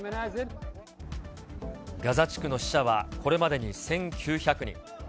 ガザ地区の死者はこれまでに１９００人。